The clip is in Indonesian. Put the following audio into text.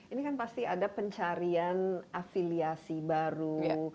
ini kan pasti ada pencarian afiliasi baru